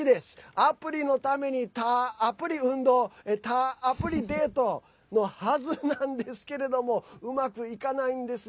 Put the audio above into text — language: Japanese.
アプリのために、たっぷり運動たっぷりデートのはずなんですけれどもうまくいかないんですね。